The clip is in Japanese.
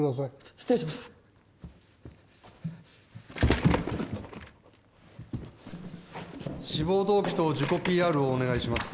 失礼します・志望動機と自己ＰＲをお願いします